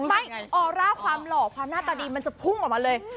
ไม่ออร่าความหล่อความหน้าตาดีมันจะพุ่งออกมาเลย